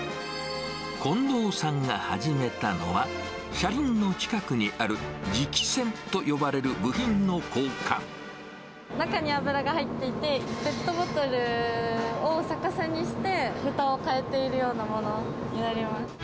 近藤さんが始めたのは、車輪の近くにある、中に油が入っていて、ペットボトルを逆さにしてふたを換えているようなものになります。